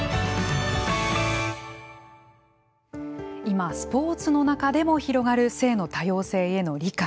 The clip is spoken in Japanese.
今、スポーツの中でも広がる性の多様性への理解。